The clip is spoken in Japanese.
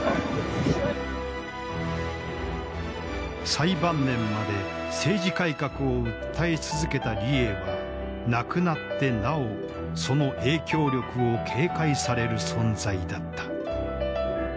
最晩年まで政治改革を訴え続けた李鋭は亡くなってなおその影響力を警戒される存在だった。